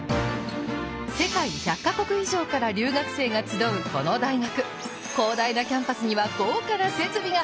世界１００か国以上から留学生が集うこの大学広大なキャンパスには豪華な設備が！